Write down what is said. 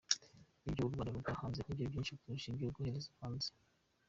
Ibyo u Rwanda rugura hanze nibyo byinshi kurusha ibyo rwohereza hanze.